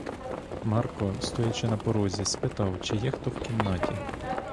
Марко, стоячи на порозі, спитав, чи є хто в кімнаті.